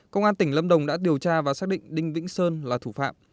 công an tỉnh lâm đồng đã điều tra và xác định đinh vĩnh sơn là thủ phạm